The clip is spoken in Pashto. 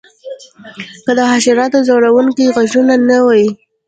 که د حشراتو ځورونکي غږونه نه وی